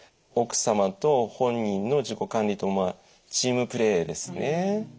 奥様と本人の自己管理とまあチームプレーですね。